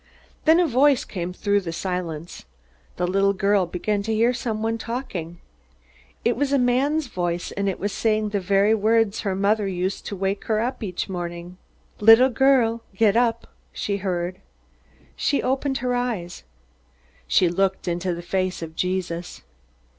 Then a voice came through the silence. The little girl began to hear someone talking. It was a man's voice, and it was saying the very words her mother used each morning to wake her up from sleep. "Little girl, get up!" she heard. She opened her eyes. She looked into the face of Jesus.